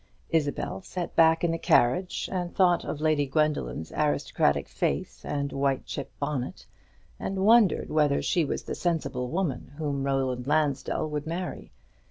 Isabel sat back in the carriage, and thought of Lady Gwendoline's aristocratic face and white chip bonnet, and wondered whether she was the sensible woman whom Roland Lansdell would marry.